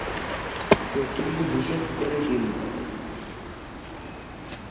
কোকিল হিসেব করে ডিম পাড়ে।